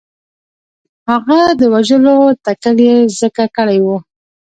هغه د وژلو تکل یې ځکه کړی وو.